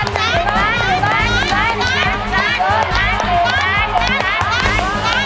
๑ล้านบาท